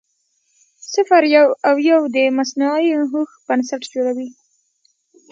صفر او یو د مصنوعي هوښ بنسټ جوړوي.